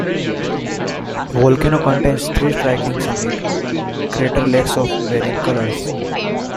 The volcano contains three striking summit crater lakes of varying colors.